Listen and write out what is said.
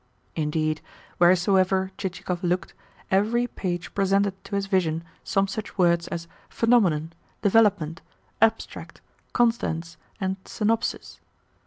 Indeed, wheresoever Chichikov looked, every page presented to his vision some such words as "phenomenon," "development," "abstract," "contents," and "synopsis."